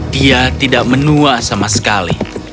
dia tidak menua sama sekali